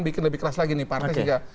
bikin lebih keras lagi nih partai juga